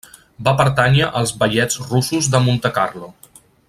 Va pertànyer als Ballets Russos de Montecarlo.